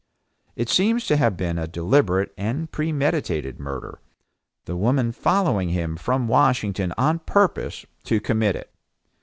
It seems to have been a deliberate and premeditated murder, the woman following him to Washington on purpose to commit it.